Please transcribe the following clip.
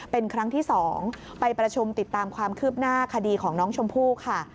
เป็นครั้งที่๒ไปประชุมติดตามความคืบหน้าคดีของน้องชมพู่ค่ะ